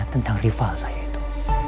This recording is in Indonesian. tentang rival saya itu